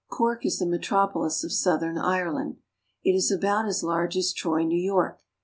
Cork is the metropolis of southern Ireland. It is about as large as Troy, New York.